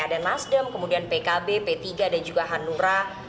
ada nasdem kemudian pkb p tiga dan juga hanura